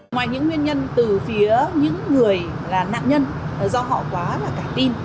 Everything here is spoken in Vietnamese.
ngoài những nguyên nhân từ phía những người là nạn nhân do họ quá là cả tin